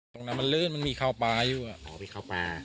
ตรงนั้นมันเลื่อนมันมีข้าวปลายู่น่ะ